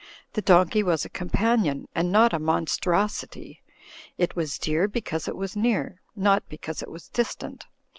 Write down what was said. The donkey was a companion, and not a mon strosity. It was dear because it was near, not because it was distant.